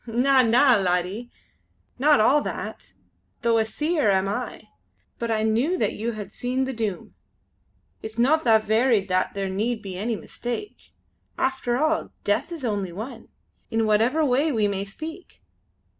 "Na! na! laddie. Not all that, though a Seer am I; but I knew that you had seen the Doom! It's no that varied that there need be any mistake. After all Death is only one, in whatever way we may speak!"